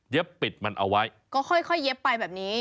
ปิดมันเอาไว้ก็ค่อยเย็บไปแบบนี้